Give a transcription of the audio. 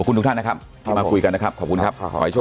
ขอบคุณทุกท่านนะครับมาคุยกันนะครับ